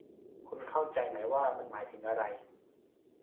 คุณเข้าใจไหมว่ามันหมายถึงอะไร